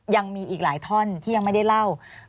ยังมีอีกหลายท่อนที่ยังไม่ได้เล่า